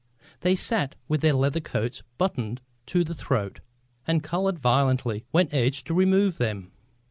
They sat with their leather coats buttoned to the throat, and coloured violently when urged to remove them.